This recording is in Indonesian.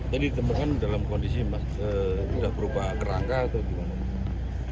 jadi temukan dalam kondisi sudah berubah kerangka atau gimana